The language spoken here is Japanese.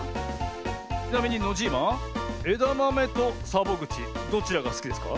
ちなみにノジーマえだまめとサボぐちどちらがすきですか？